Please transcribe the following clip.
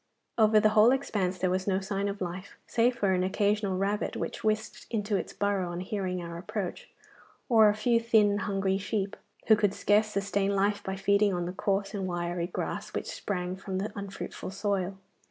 Over the whole expanse there was no sign of life, save for an occasional rabbit which whisked into its burrow on hearing our approach, or a few thin and hungry sheep, who could scarce sustain life by feeding on the coarse and wiry grass which sprang from the unfruitful soil.